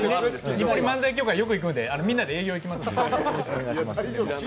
日暮里漫才協会よく行くんで、みんなで営業行きますんで。